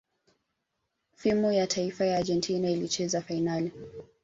fimu ya taifa ya Argentina ilicheza fainali